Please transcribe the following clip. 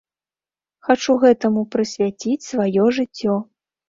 Хачу гэтаму прысвяціць сваё жыццё.